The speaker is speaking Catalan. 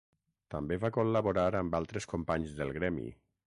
També va col·laborar amb altres companys del gremi.